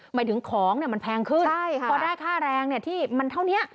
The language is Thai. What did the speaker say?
หมายถึงของมันแพงขึ้นพอได้ค่าแรงที่มันเท่านี้